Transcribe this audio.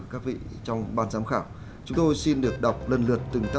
cái thứ ba là một cái bức ảnh mà